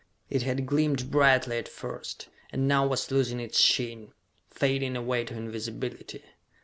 It had gleamed brightly at first, and now was losing its sheen, fading away to invisibility.